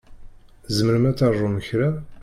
Tzemrem ad terǧum kra?